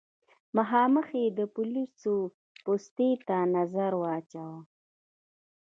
مخامخ يې د پوليسو پوستې ته نظر واچوه.